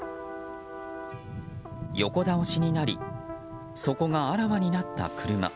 横倒しになり底があらわになった車。